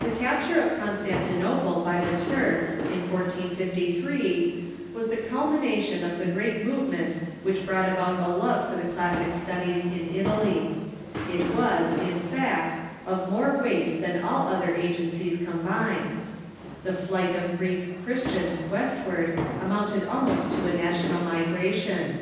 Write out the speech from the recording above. The capture of Constantinople by the Turks, in 1453, was the culmination of the great movements which brought about a love for the classic studios in Italy. It was, in Capture of Con fj^pt of more weight than all other agencies com stantinople ''='.^ bined. The flight of Greek Christians westward amounted almost to a national migration.